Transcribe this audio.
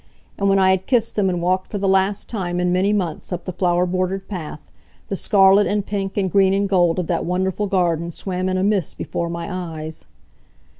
And when I had kissed them and walked for the last time in many months up the flower bordered path, the scarlet and pink, and green and gold of that wonderful garden swam in a mist before my eyes.